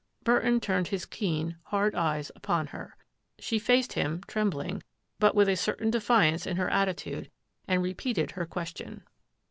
" Burton turned his keen, hard eyes upon her. She faced him, trembling, but with a certain de fiance in her attitude, and repeated her question.